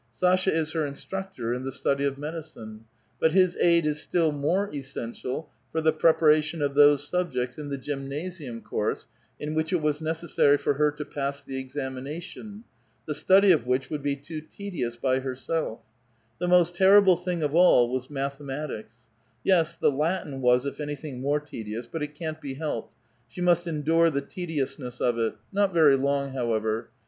Sasha is her instructor in the study of medicine, but his aid is still more essential for the preparation of those subjects iu the gymnasium course in which it was necessai*y for her to pass the examination, the study of which would be too tedious by herself ; the most terrible thing of all was mathe matics ; yes, the Latin was if anything more tedious ; but it can't he helped, she must endure the tediousness of it ; not very long, however.